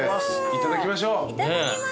いただきましょう。